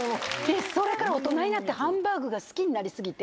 それから大人になってハンバーグが好きになり過ぎて。